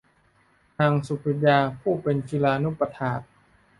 นางสุปปิยา ผู้เป็นคิลานุปัฎฐาก